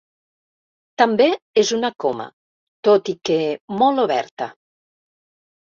També és una coma, tot i que molt oberta.